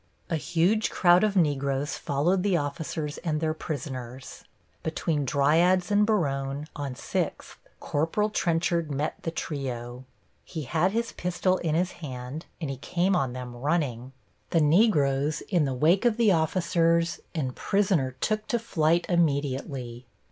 A huge crowd of Negroes followed the officers and their prisoners. Between Dryades and Baronne, on Sixth, Corporal Trenchard met the trio. He had his pistol in his hand and he came on them running. The Negroes in the wake of the officers, and prisoner took to flight immediately.